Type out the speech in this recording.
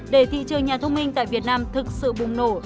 để thị trường nhà thông minh tại việt nam thực sự bùng nổ